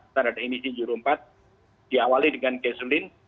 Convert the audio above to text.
standar emisi euro empat diawali dengan casuling